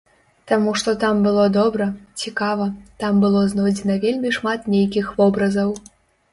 Таму што там было добра, цікава, там было знойдзена вельмі шмат нейкіх вобразаў.